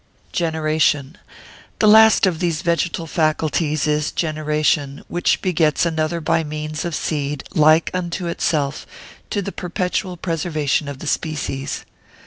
Generation.] The last of these vegetal faculties is generation, which begets another by means of seed, like unto itself, to the perpetual preservation of the species.